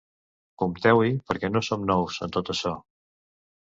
Compteu-hi, perquè no som nous, en tot açò.